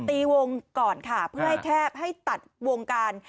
ตีวงก่อนค่ะเพื่อให้แคบให้ตัดวงการ